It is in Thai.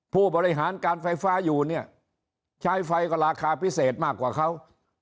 ผู้บริหารการไฟฟ้าอยู่เนี่ยใช้ไฟก็ราคาพิเศษมากกว่าเขา